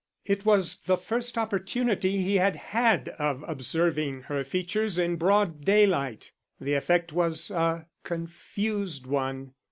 It was the first opportunity he had had of observing her features in broad daylight. The effect was a confused one.